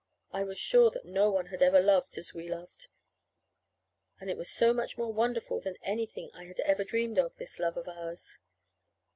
I was sure that no one had ever loved as we loved. And it was so much more wonderful than anything I had ever dreamed of this love of ours.